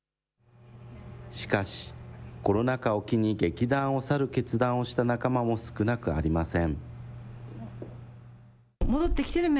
しかし、コロナ禍を機に劇団を去る決断をした仲間も少なくありません。